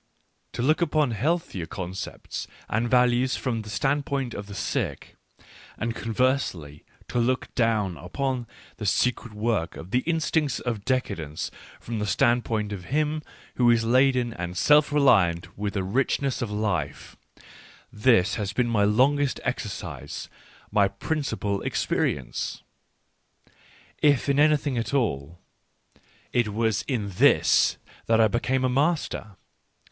To look upon healthier concepts and values from the standpoint of the sick, and conversely to look down upon the secret work of the instincts of decadence from the standpoint of him who is laden and self reliant with the rich ness of life — this has been my longest exercise, my principal experience. If in anything at all, it was in this that I became a master.